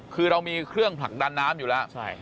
คือเรามีเครื่องผลักดันน้ำอยู่แล้ว